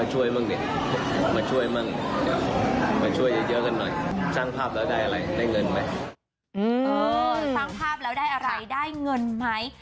สร้างภาพแล้วได้อะไรได้เงินไหม